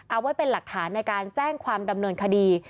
เอาไว้เป็นหลักฐานในการแจ้งความดำเนินคดี